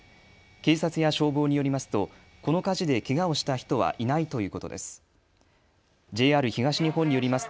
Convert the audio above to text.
警察や消防によりますとこの火事でけがをした人はいないということです。